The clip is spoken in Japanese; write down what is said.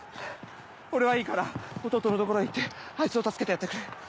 俺はいいから弟の所へ行ってあいつを助けてやってくれ。